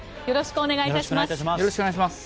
よろしくお願いします。